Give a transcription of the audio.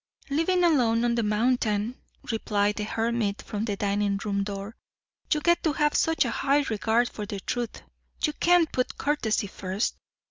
"Living alone on the mountain," replied the hermit from the dining room door, "you get to have such a high regard for the truth you can't put courtesy first.